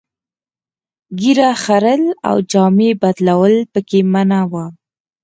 ږیره خرییل او جامې بدلول پکې منع وو.